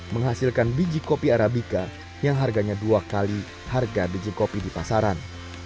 menghasilkan biji kopi arabica yang harganya dua kali harga biji kopi di pasaran